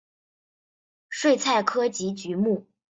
睡菜科及菊目。